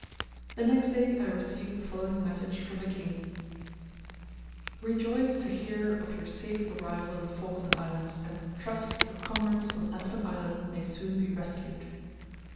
The next day I received the following message from the King: "Rejoice to hear of your safe arrival in the Falkland Islands and trust your comrades on Elephant Island may soon be rescued.